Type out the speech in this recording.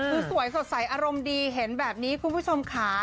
คือสวยสดใสอารมณ์ดีเห็นแบบนี้คุณผู้ชมค่ะ